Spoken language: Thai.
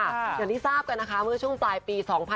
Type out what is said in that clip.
อย่างที่ทราบกันนะคะเมื่อช่วงปลายปี๒๕๖๒